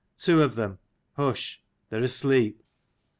Two of them,^hush, they are asleep."